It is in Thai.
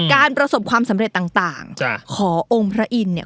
ประสบความสำเร็จต่างขอองค์พระอินทร์เนี่ย